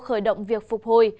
khởi động việc phục hồi